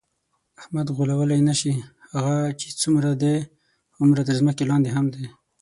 احمد غولولی نشې، هغه چې څومره دی هومره تر ځمکه لاندې هم دی.